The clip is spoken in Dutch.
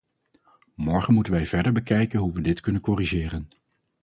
Morgen moeten wij verder bekijken hoe we dit kunnen corrigeren.